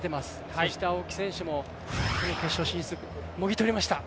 そして青木選手も決勝進出、もぎ取りました。